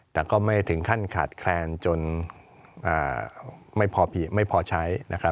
แต่ก็ไม่ถึงขั้นขาดแคลนจนไม่พอใช้นะครับ